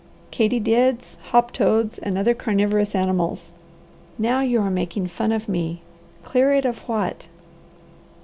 "Katydids, hoptoads, and other carnivorous animals." "Now you are making fun of me! Clear it of what?"